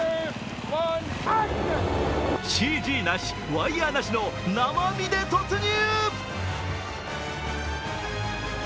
ＣＧなし、ワイヤーなしの生身で突入。